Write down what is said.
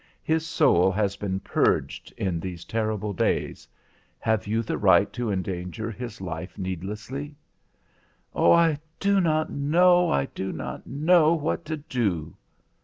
His soul has been purged in these terrible days; have you the right to endanger his life needlessly?" "Oh, I do not know! I do not know what to do."